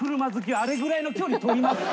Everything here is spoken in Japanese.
あれぐらいの距離取りますって。